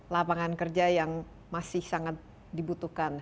lapangan kerja yang masih sangat dibutuhkan